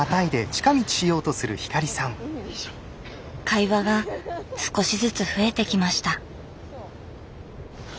会話が少しずつ増えてきました。